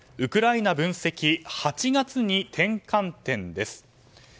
ウクライナ分析８月に転換点です。